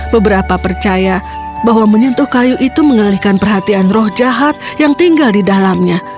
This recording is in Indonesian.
beberapa percaya bahwa menyentuh kayu itu mengalihkan perhatian roh jahat yang tinggal di dalamnya